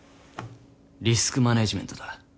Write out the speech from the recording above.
リスクマネジメントだ。